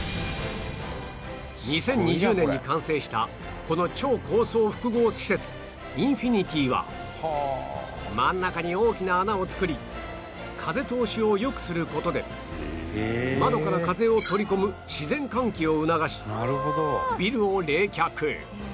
２０２０年に完成したこの超高層複合施設インフィニティは真ん中に大きな穴を作り風通しを良くする事で窓から風を取り込む自然換気を促しビルを冷却